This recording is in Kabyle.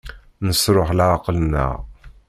Nesṛuḥ leɛqel-nneɣ.